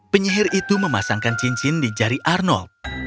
penyihir itu memasangkan cincin di jari arnold